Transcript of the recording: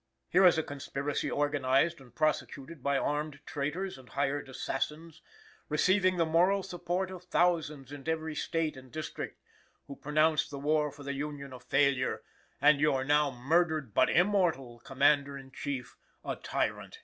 "Here is a conspiracy organized and prosecuted by armed traitors and hired assassins, receiving the moral support of thousands in every State and district, who pronounced the war for the Union a failure, and your now murdered but immortal Commander in Chief a tyrant.